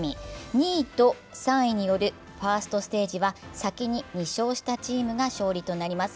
２位と３位によるファーストステージは先に２勝したチームが勝ち上がります。